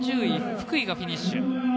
４０位、福井がフィニッシュ。